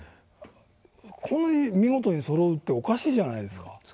こんなに見事にそろうっておかしいじゃないですか。